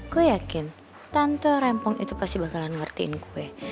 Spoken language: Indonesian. gue yakin tante rempong itu pasti bakalan ngertiin kue